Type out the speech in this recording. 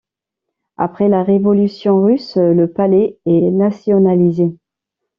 Après la Révolution russe, le palais est nationalisé.